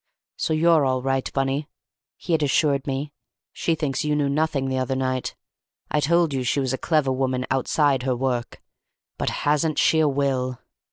"So you're all right, Bunny," he had assured me; "she thinks you knew nothing the other night. I told you she wasn't a clever woman outside her work. But hasn't she a will!"